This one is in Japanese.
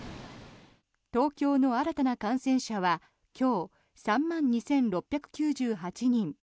東京の新たな感染者は今日、３万２６９８人。